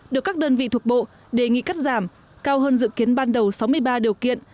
được các đơn vị thuộc bộ đề nghị cắt giảm cao hơn dự kiến ban đầu sáu mươi ba điều kiện